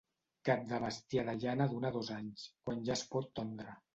Cap de bestiar de llana d'un a dos anys, quan ja es pot tondre.